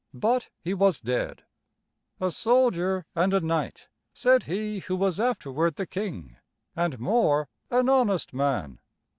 But he was dead. 'A soldier and a knight,' said he who was afterward the King, 'and more an honest man.'"